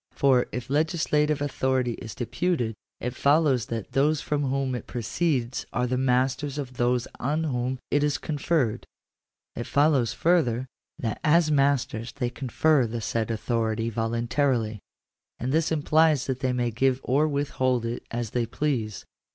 For, if legislative authority is deputed, it follows that those from whom it proceeds are the masters of those on whom it is conferred : it follows further, that as masters they confer the said authority voluntarily : and this implies that they may give or withhold it as they please.